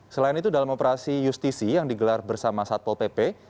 selain itu dalam operasi justisi yang digelar bersama satpol pp